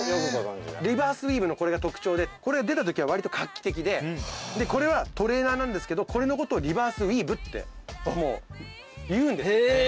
リバースウィーブのこれが特徴でこれ出たときはわりと画期的でこれはトレーナーなんですけどこれのことをリバースウィーブっていうんです。